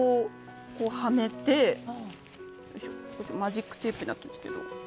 はめてマジックテープになってるんですけど。